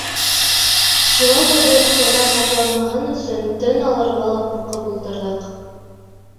Шулай ҙа беҙ кәмә ҡапланмаһын өсөн тын алырға ла ҡурҡып ултырҙыҡ.